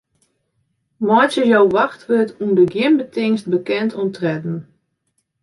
Meitsje jo wachtwurd ûnder gjin betingst bekend oan tredden.